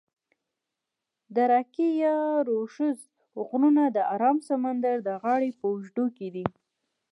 د راکي یا روشوز غرونه د آرام سمندر د غاړي په اوږدو کې دي.